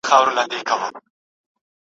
قتل عام یې کړل زرګونه او لکونه